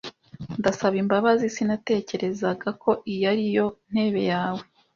Ndasaba imbabazi. Sinatekerezaga ko iyi ari yo ntebe yawe.